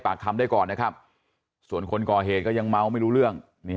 คำได้ก่อนนะครับส่วนคนก่อเหตุก็ยังเมาไม่รู้เรื่อง